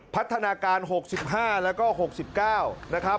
พัฒนาการ๖๕แล้วก็๖๙นะครับ